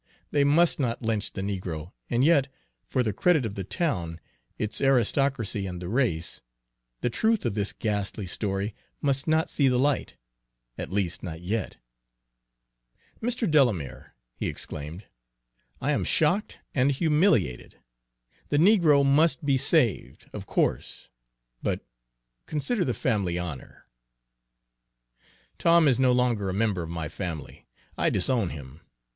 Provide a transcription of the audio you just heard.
They must not lynch the negro, and yet, for the credit of the town, its aristocracy, and the race, the truth of this ghastly story must not see the light, at least not yet. "Mr. Delamere," he exclaimed, "I am shocked and humiliated. The negro must be saved, of course, but consider the family honor." "Tom is no longer a member of my family. I disown him.